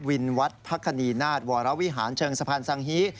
วัดพระคณีนาฏวรวิหารเชิงสะพานสังฮี